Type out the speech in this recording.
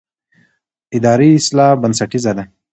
اداري اصلاح بنسټیزه ده